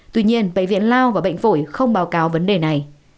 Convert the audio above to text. tuy nhiên bệnh viện lao và bệnh phổi không báo cáo vấn đề này